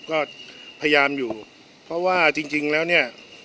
ก็พยายามอยู่เพราะว่าจริงแล้วเนี่ย